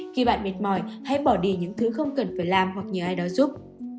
khi bạn mệt mỏi hãy bỏ đi những thứ không cần phải làm hoặc nhờ ai đó giúp